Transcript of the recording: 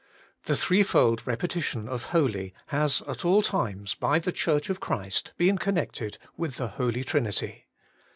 The threefold repetition of the HOLY has at all times by the Church of Christ been connected with the Holy Trinity.